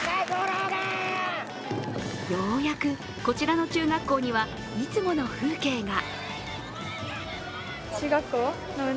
ようやく、こちらの中学校にはいつもの風景が。